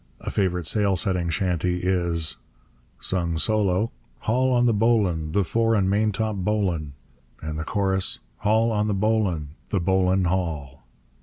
A favourite sail setting chanty is Solo. Haul on the bowlin', the fore and maintop bowlin' Chorus. Haul on the bowlin', the bowlin' haul!